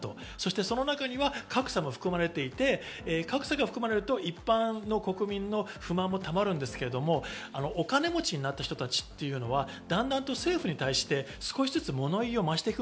その中には格差も含まれていて、格差が含まれると、一般の国民の不満もたまるんですけど、お金持ちになった人たちっていうのは、だんだんと政府に対して少しずつ物言いを増していく。